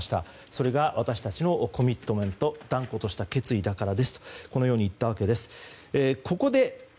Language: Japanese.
それが私たちのコミットメント断固とした決意だからですと言ったわけです。